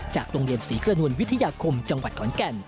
โรงเรียนศรีกระนวลวิทยาคมจังหวัดขอนแก่น